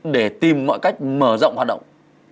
để tìm mọi cách mở rộng hoạt động